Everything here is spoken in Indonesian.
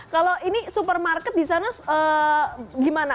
kalau ini supermarket disana gimana